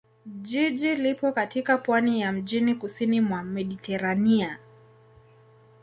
Jiji lipo katika pwani ya mjini kusini mwa Mediteranea.